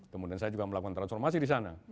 kemudian saya juga melakukan transformasi di sana